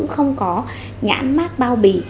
không có nhãn mát bao bì